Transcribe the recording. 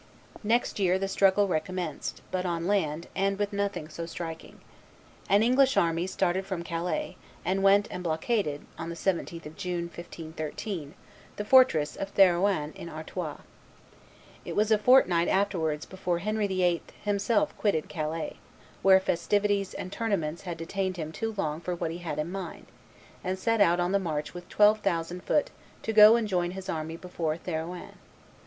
Next year the struggle recommenced, but on land, and with nothing so striking. An English army started from Calais, and went and blockaded, on the 17th of June, 1513, the fortress of Therouanne in Artois. It was a fortnight afterwards before Henry VIII. himself quitted Calais, where festivities and tournaments had detained him too long for what he had in hand, and set out on the march with twelve thousand foot to go and join his army before Therouanne.